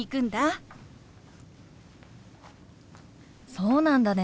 そうなんだね。